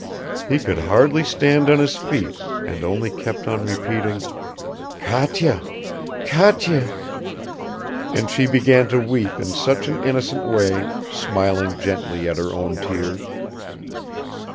He could hardly stand on his feet, and only kept on repeating, "Katya, Katya ..." and she began to weep in such an innocent way, smiling gently at her own tears.